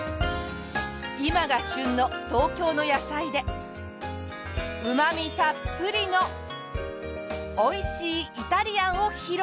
今が旬の東京の野菜でうまみたっぷりのおいしいイタリアンを披露。